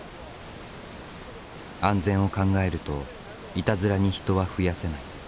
安全を考えるといたずらに人は増やせない。